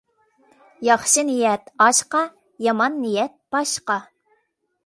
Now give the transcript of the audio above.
ياخشى نىيەت ئاشقا، يامان نىيەت باشقا.